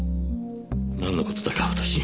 なんの事だか私には。